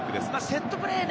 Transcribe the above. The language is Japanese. セットプレー